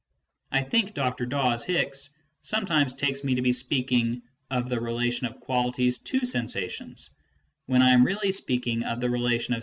I think Dr. Dawes Hicks sometimes takes me to be speaking of the relation of qitulities to sensations when I am really ' On Descriptions, cf.